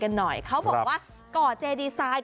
กันหน่อยเขาบอกว่าก่อเจดีไซน์